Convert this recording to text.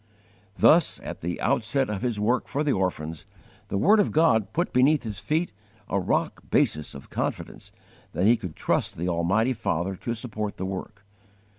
Thus, at the outset of his work for the orphans, the word of God put beneath his feet a rock basis of confidence that he could trust the almighty Father to support the work.